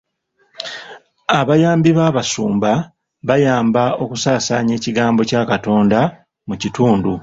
Abayambi b'abasumba bayamba okusaasaanya ekigambo kya Katonda mu kitundu.